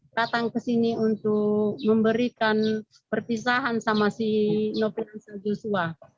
datang kesini untuk memberikan perpisahan sama si novinan joshua